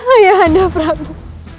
ayah anda prabu